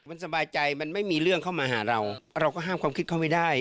มันสบายใจมันไม่มีเรื่องเข้ามาหาเราเราก็ห้ามความคิดเขาไม่ได้